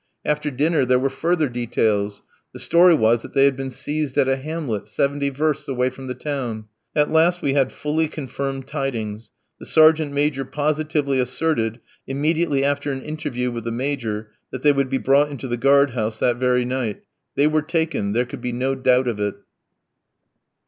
After dinner there were further details; the story was that they had been seized at a hamlet, seventy versts away from the town. At last we had fully confirmed tidings. The sergeant major positively asserted, immediately after an interview with the Major, that they would be brought into the guard house that very night. They were taken; there could be no doubt of it.